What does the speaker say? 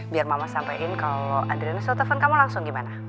biar mama sampaikan kalau adrianus atau telepon kamu langsung gimana